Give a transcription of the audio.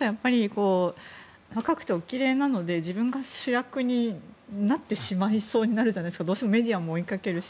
やっぱり若くて、おきれいなので自分が主役になってしまいそうになるじゃないですかどうしてもメディアも追いかけるし。